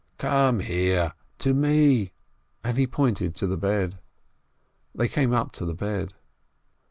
"Come here, to me !" and he pointed to the bed. They came up to the bed.